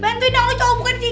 bantuin dong lo cowok bukan sih